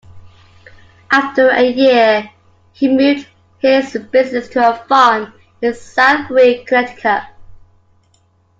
After a year he moved his business to a farm in Southbury, Connecticut.